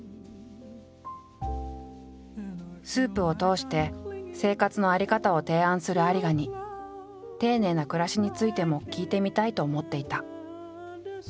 スープを通して生活のあり方を提案する有賀に丁寧な暮らしについても聞いてみたいと思っていた。